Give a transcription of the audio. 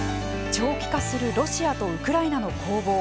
長期化するロシアとウクライナの攻防。